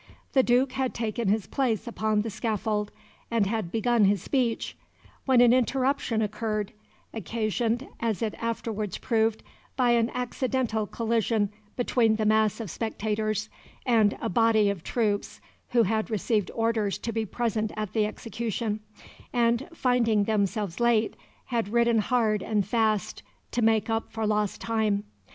The Duke had taken his place upon the scaffold, and had begun his speech, when an interruption occurred, occasioned, as it afterwards proved, by an accidental collision between the mass of spectators and a body of troops who had received orders to be present at the execution, and, finding themselves late, had ridden hard and fast to make up for lost time.